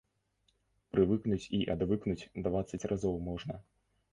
Прывыкнуць і адвыкнуць дваццаць разоў можна.